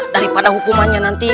daripada hukumannya nanti